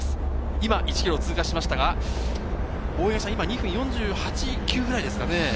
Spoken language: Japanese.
今、１ｋｍを通過しましたが、今、２分４８４９ぐらいですかね。